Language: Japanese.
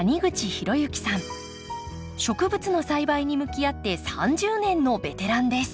植物の栽培に向き合って３０年のベテランです。